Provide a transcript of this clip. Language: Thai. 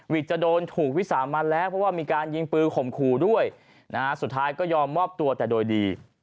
จะโดนถูกวิสามันแล้วเพราะว่ามีการยิงปืนข่มขู่ด้วยนะฮะสุดท้ายก็ยอมมอบตัวแต่โดยดี